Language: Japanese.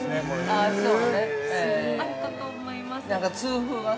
◆あるかと思います。